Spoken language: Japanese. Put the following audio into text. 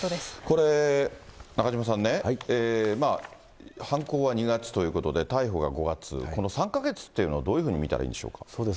これ、中島さんね、犯行は２月ということで、逮捕が５月、この３か月というのはどういうふうに見たらいいでしょうか。